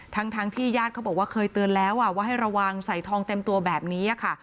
ทั้งที่ญาติเขาบอกว่าเคยเตือนแล้วว่าให้ระวังใส่ทองเต็มตัวแบบนี้ค่ะ